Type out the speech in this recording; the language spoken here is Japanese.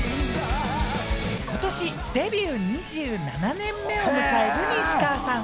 今年デビュー２７年目を迎える西川さん。